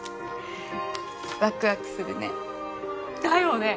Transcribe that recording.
ワクワクするね。